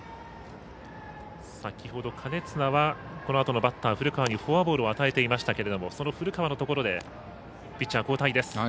先ほど金綱はこのあとのバッター古川にフォアボールを与えていましたけれどもその古川のところでピッチャー交代です。